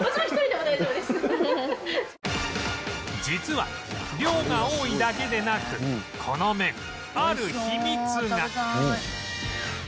実は量が多いだけでなくこの麺ある秘密が